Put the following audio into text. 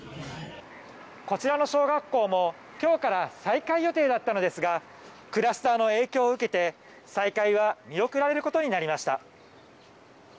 こちらの小学校も今日から再開予定だったのですがクラスターの影響を受けて再開が見送られることになりました。